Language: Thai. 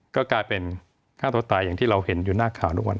ก็กลายเป็นฆ่าตัวตายอย่างที่เราเห็นอยู่หน้าข่าวทุกวัน